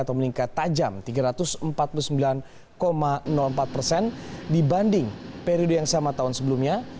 atau meningkat tajam tiga ratus empat puluh sembilan empat persen dibanding periode yang sama tahun sebelumnya